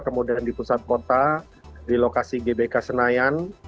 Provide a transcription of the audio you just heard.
kemudian di pusat kota di lokasi gbk senayan